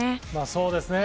そうですね。